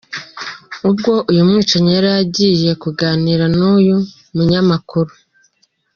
Ubwo uyu mwicanyi yari agiye kuganira n’uyu munyamakuru.